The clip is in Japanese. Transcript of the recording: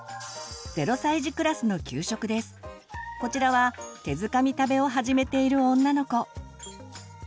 こちらは手づかみ食べを始めている女の子。